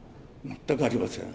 全くありません。